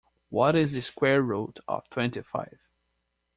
What is the square root of twenty-five?